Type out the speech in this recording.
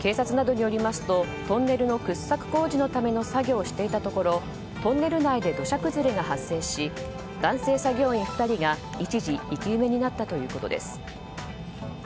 警察などによりますとトンネルの掘削工事のための作業をしていたところトンネル内で土砂崩れが発生し男性作業員２人が一時生き埋めになったということです。